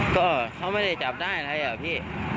ก็เขาไม่ได้จับได้อะไรอ่ะพี่